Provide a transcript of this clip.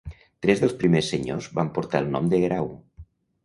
Tres dels primers senyors van portar el nom de Guerau.